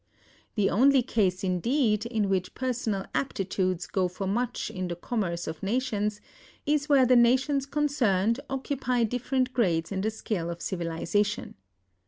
"The only case, indeed, in which personal aptitudes go for much in the commerce of nations is where the nations concerned occupy different grades in the scale of civilization....